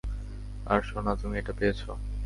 আর সোনা, তুমি এটা পেয়েছ।